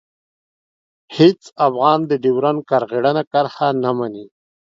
هېڅ افغان د ډیورنډ کرغېړنه کرښه نه مني.